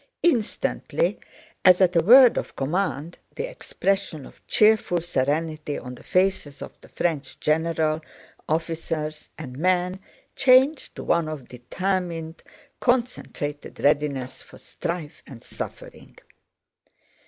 Instantly as at a word of command the expression of cheerful serenity on the faces of the French general, officers, and men changed to one of determined concentrated readiness for strife and suffering.